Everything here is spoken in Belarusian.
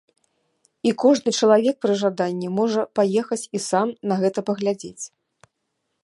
І кожны чалавек пры жаданні можа паехаць і сам на гэта паглядзець.